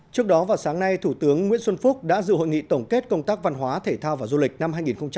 trước đó vào sáng nay thủ tướng nguyễn xuân phúc đã dự hội nghị tổng kết công tác văn hóa thể thao và du lịch năm hai nghìn một mươi chín